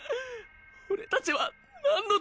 俺たちはなんのために。